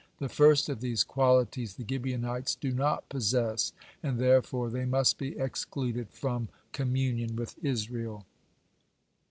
The first of these qualities the Gibeonites do not possess, and therefore they must be excluded from communion with Israel."